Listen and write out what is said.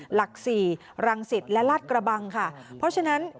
หลักสี่รังสิตและลาดกระบังค่ะเพราะฉะนั้น